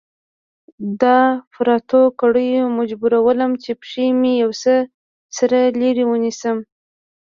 د اپراتو کړيو مجبورولم چې پښې مې يو څه سره لرې ونيسم.